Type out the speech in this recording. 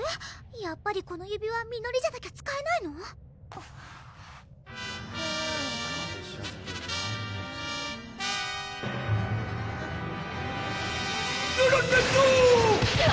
やっぱりこの指輪みのりじゃなきゃ使えないの⁉ヤラネーダ！